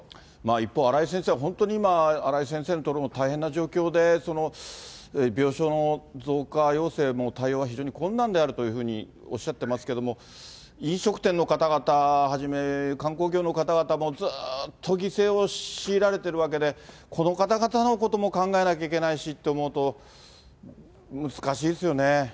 一方、荒井先生は今、本当、荒井先生の所も大変な状況で、病床の増加要請も、対応が非常に困難であるというふうにおっしゃってますけれども、飲食店の方々はじめ、観光業の方々も、ずーっと犠牲を強いられてるわけで、この方々のことも考えなきゃいけないしって思うと、難しいですよ